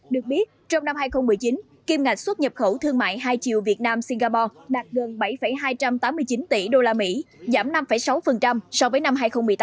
được biết trong năm hai nghìn một mươi chín kim ngạch xuất nhập khẩu thương mại hai chiều việt nam singapore đạt gần bảy hai trăm tám mươi chín tỷ usd giảm năm sáu so với năm hai nghìn một mươi tám